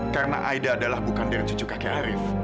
karena aida adalah bukan dari cucu kakek arief